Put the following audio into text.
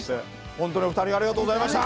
ホントにお二人ありがとうございました。